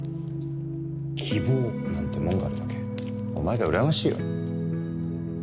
希望なんてもんがあるだけお前がうらやましいわ。